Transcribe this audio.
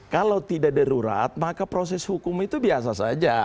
kalau tidak darurat maka proses hukum itu biasa saja